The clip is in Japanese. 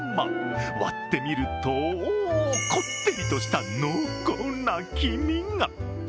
割ってみると、こってりとした濃厚な黄身が。